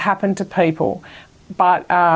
tapi kita bisa melakukan